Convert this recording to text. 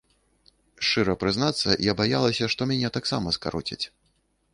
Шчыра прызнацца, я баялася, што мяне таксама скароцяць.